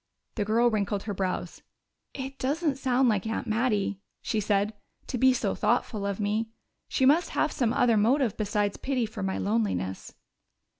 The girl wrinkled her brows. "It doesn't sound like Aunt Mattie," she said, "to be so thoughtful of me. She must have some other motive besides pity for my loneliness."